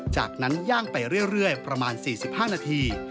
จากนั้นย่างไปเรื่อยประมาณ๔๕นาที